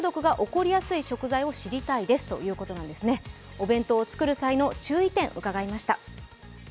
お弁当を作る際の注意点を伺いました。